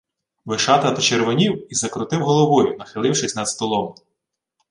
Вишата почервонів і закрутив головою, нахилившись над столом.